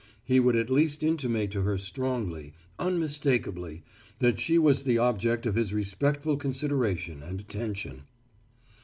he would at least intimate to her strongly, unmistakably, that she was the object of his respectful consideration and attention.